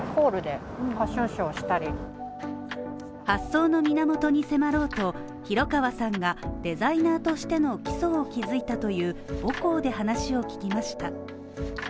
発想の源に迫ろうと、廣川さんがデザイナーとしての基礎を築いたという母校で話を聞きました。